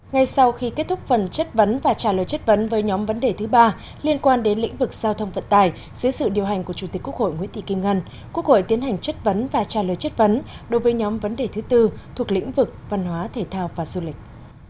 ngay sau khi kết thúc phần chất vấn và trả lời chất vấn với nhóm vấn đề thứ ba liên quan đến lĩnh vực giao thông vận tài dưới sự điều hành của chủ tịch quốc hội nguyễn thị kim ngân quốc hội tiến hành chất vấn và trả lời chất vấn đối với nhóm vấn đề thứ tư thuộc lĩnh vực văn hóa thể thao và du lịch